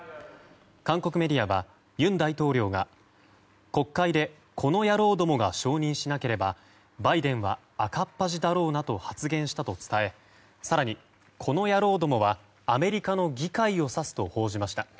韓国メディアは尹大統領が国会で「この野郎ども」が承認しなければバイデンは赤っ恥だろうなと発言したと伝え更に、「この野郎ども」はアメリカの議会を指すと報じました。